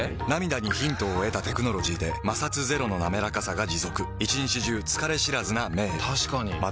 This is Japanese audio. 涙にヒントを得たテクノロジーで摩擦ゼロのなめらかさが持続一日中疲れ知らずな目へ確かに。